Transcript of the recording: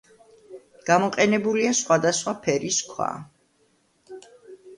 გამოყენებულია სხვადასხვა ფერის ქვა.